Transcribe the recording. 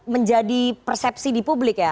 menjadi persepsi di publik ya